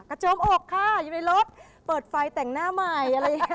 กระโจมอกค่ะอยู่ในรถเปิดไฟแต่งหน้าใหม่